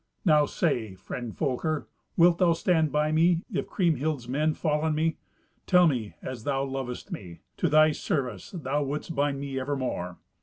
Now say, friend Folker, wilt thou stand by me, if Kriemhild's men fall on me? Tell me, as thou lovest me. To thy service thou wouldst bind me evermore."